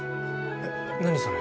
えっ何それ？